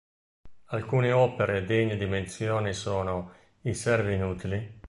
Altre opere degne di menzione sono "I servi inutili.